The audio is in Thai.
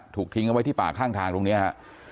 ถูกทิ้งเอาไว้ที่ป่าข้างทางตรงนี้ฮะ